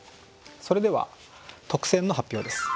それでは特選の発表です。